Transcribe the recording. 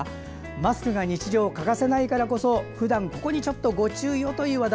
マスクが日常欠かせないからこそふだんここにご注意をという話題。